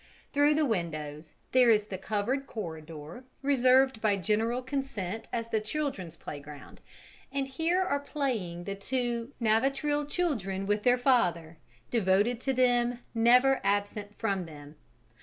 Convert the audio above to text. Through the windows there is the covered corridor, reserved by general consent as the children's playground, and here are playing the two Navatril children with their father, devoted to them, never absent from them.